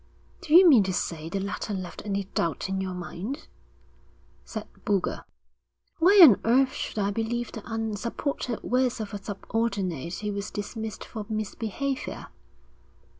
'Do you mean to say the letter left any doubt in your mind?' said Boulger. 'Why on earth should I believe the unsupported words of a subordinate who was dismissed for misbehaviour?'